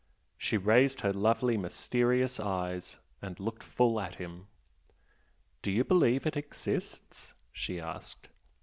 She raised her lovely, mysterious eyes and looked full at him. "Do you believe it exists?" she asked.